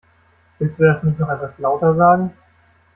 Willst du das nicht noch etwas lauter sagen?